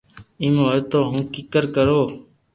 ايم ھوئي تو ھون ڪيڪر ڪرو